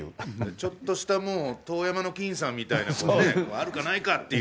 ちょっとしたもう遠山の金さんみたいな、あるかないかっていう。